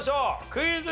クイズ。